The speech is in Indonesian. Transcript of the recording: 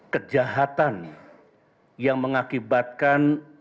kejahatan yang mengakibatkan